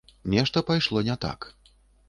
Нешта пайшло не так.